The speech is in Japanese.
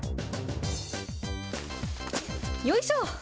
よいしょ。